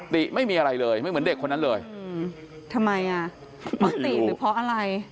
ติไม่มีอะไรเลยไม่เหมือนเด็กคนนั้นเลยทำไมอ่ะไม่ติหรือเพราะอะไร